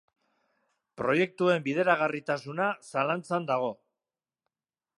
Proiektuen bideragarritasuna zalantzan dago.